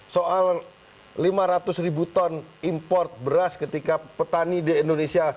soal lima ratus ribu ton import beras ketika petani di indonesia